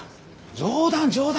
冗談冗談。